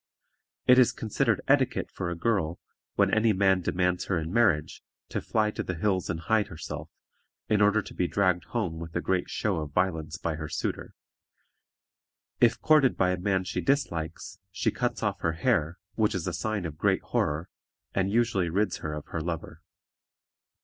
It is considered etiquette for a girl, when any man demands her in marriage, to fly to the hills and hide herself, in order to be dragged home with a great show of violence by her suitor. If courted by a man she dislikes, she cuts off her hair, which is a sign of great horror, and usually rids her of her lover.